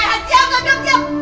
ah siap siap siap